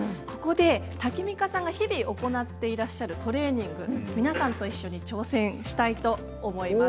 タキミカさんが日頃行っているトレーニング皆さんと一緒に挑戦したいと思います。